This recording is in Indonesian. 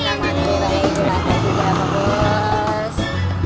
nanti juga pak bos